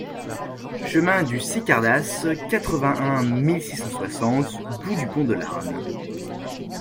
Chemin du Sicardas, quatre-vingt-un mille six cent soixante Bout-du-Pont-de-Larn